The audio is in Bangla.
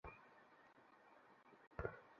কারণ সব শেষ হয়ে গেছে।